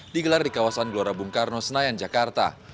digelar di kawasan glorabung karno senayan jakarta